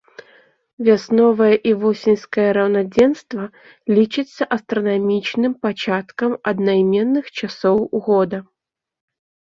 Вясновае і восеньскае раўнадзенства лічацца астранамічным пачаткам аднайменных часоў года.